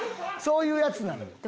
そういうやつなの！